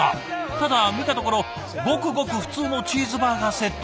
ただ見たところごくごく普通のチーズバーガーセット。